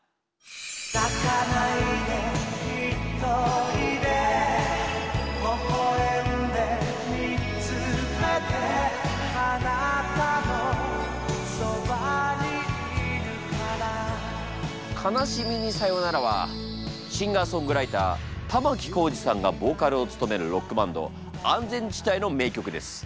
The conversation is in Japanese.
泣かないでひとりでほゝえんでみつめてあなたのそばにいるから「悲しみにさよなら」はシンガーソングライター玉置浩二さんがボーカルを務めるロックバンド安全地帯の名曲です。